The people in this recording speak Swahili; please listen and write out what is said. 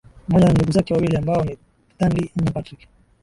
Pamoja na ndugu zake wawili ambao ni Thandi na Patrick